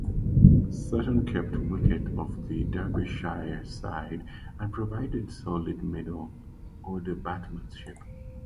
Sutton kept wicket for the Derbyshire side and provided solid middle-order batsmanship.